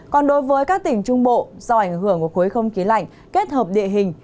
còn đối với các tỉnh trung bộ do ảnh hưởng của khối không khí lạnh kết hợp địa hình